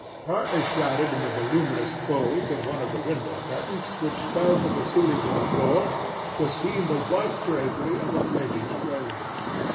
Partly shrouded in the voluminous folds of one of the window curtains, which fell from the ceiling to the floor, was seen the white drapery of a lady's robe.